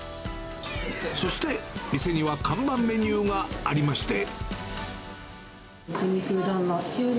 そして店には看板メニューがありまして。